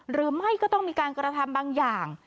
หรือไม่ก็ต้องมีการกระทำบางอย่าง